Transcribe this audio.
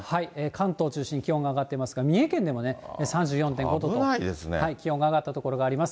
関東を中心に気温が上がっていますが、三重県でもね、３４．５度と、気温が上がった所があります。